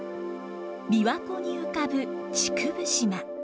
琵琶湖に浮かぶ竹生島。